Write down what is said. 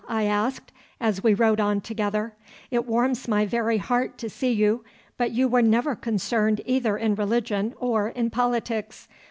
I asked, as we rode on together. 'It warms my very heart to see you, but you were never concerned either in religion or in politics.